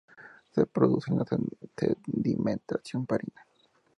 Se produce por la sedimentación marina.